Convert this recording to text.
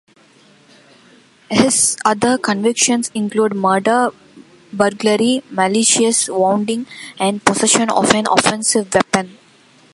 His other convictions include murder, burglary, malicious wounding and possession of an offensive weapon.